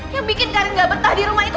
yang bikin kalian gak betah di rumah itu